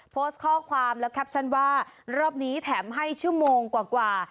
โพสต์ข้อความและแคปชั่นว่ารอบนี้แถมให้ชั่วโมงกว่า